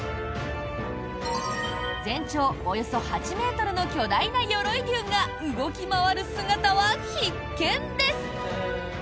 全長およそ８ｍの巨大な鎧竜が動き回る姿は必見です。